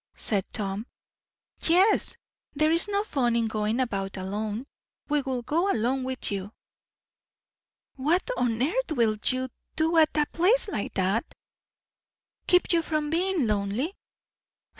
said Tom. "Yes. There is no fun in going about alone. We will go along with you." "What on earth will you do at a place like that?" "Keep you from being lonely."